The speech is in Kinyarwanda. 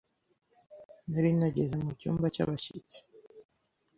nari nageze mu cyumba cyabashyitsi,